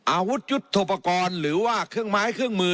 อาวุธยุทธโปรกรณ์หรือว่าเครื่องไม้เครื่องมือ